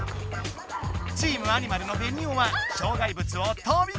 チームアニマルのベニオは障害物をとびこえた瞬間